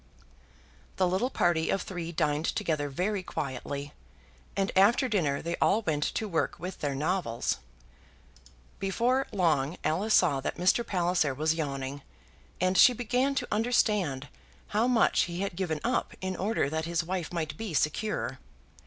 The little party of three dined together very quietly, and after dinner they all went to work with their novels. Before long Alice saw that Mr. Palliser was yawning, and she began to understand how much he had given up in order that his wife might be secure.